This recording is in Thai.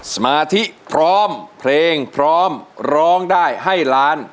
สมาธิพร้อมเพลงพร้อมร้องได้ให้ล้าน